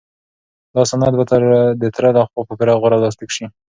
دا سند باید د تره لخوا په پوره غور لاسلیک شي.